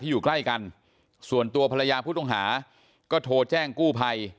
อยู่ใกล้กันส่วนตัวภรรยาผู้ต้องหาก็โทรแจ้งกู้ภัย